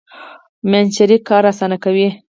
ماشینري کار اسانه کوي.